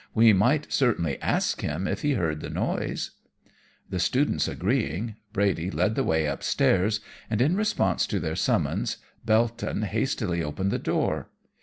We might certainly ask him if he heard the noise.' "The students agreeing, Brady led the way upstairs, and in response to their summons Belton hastily opened the door.